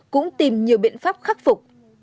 cũng tìm nhiều biện pháp khắc phục